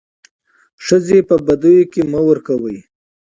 ښځي په بديو کي مه ورکوئ.